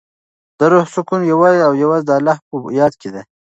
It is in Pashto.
د روح سکون یوازې او یوازې د الله په یاد کې دی.